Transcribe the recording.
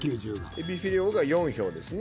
えびフィレオが４票ですね。